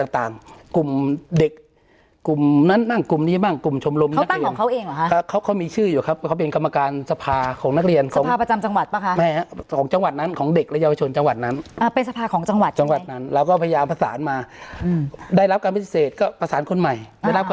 ต่างต่างกลุ่มเด็กกลุ่มนั้นบ้างกลุ่มนี้บ้างกลุ่มชมรมนักเรียนของเขาเองเหรอฮะเขาเขามีชื่ออยู่ครับว่าเขาเป็นกรรมการสภาของนักเรียนของสภาประจำจังหวัดป่ะคะไม่ฮะของจังหวัดนั้นของเด็กและเยาวชนจังหวัดนั้นอ่าเป็นสภาของจังหวัดจังหวัดนั้นเราก็พยายามประสานมาอืมได้รับการพิเศษก็ประสานคนใหม่ได้รับก